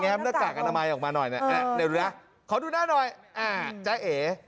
หน้ากากอนามัยออกมาหน่อยเนี่ยดูนะขอดูหน้าหน่อยอ่าจ๊ะเอ